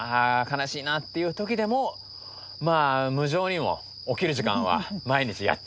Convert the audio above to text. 悲しいなっていう時でもまあ無情にも起きる時間は毎日やってくると。